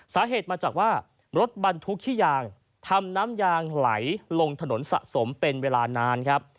สาเหตุมาจากว่ารถบรรทุกขี้ยางทำน้ำยางไหลลงถนนสะสมเป็นเวลานานครับ